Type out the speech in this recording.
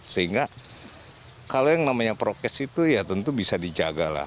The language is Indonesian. sehingga kalau yang namanya prokes itu ya tentu bisa dijaga lah